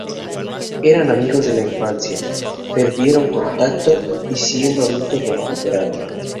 Eran amigos de la infancia, perdieron contacto y siendo adultos lo recuperaron.